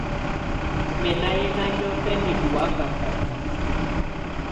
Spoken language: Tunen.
Mɛ̀ nà yɛna niɔ̀fɛna ɔ́ wakaka idukulu.